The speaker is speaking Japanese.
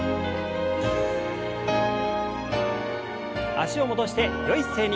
脚を戻してよい姿勢に。